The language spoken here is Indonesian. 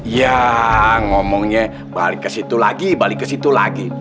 ya ngomongnya balik ke situ lagi balik ke situ lagi